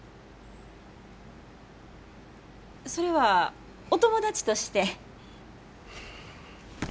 それはお友達として？